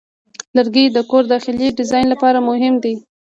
لرګی د کور داخلي ډیزاین لپاره مهم دی.